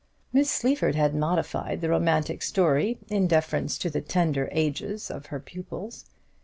Miss Sleaford had modified the romantic story in deference to the tender ages of her pupils.